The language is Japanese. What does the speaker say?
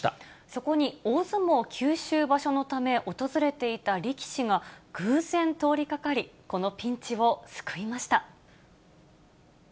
そこに、大相撲九州場所のため訪れていた力士が偶然通りかかり、このピンチを救いました。